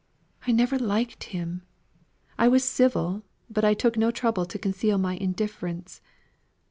"I never liked him. I was civil; but I took no trouble to conceal my indifference.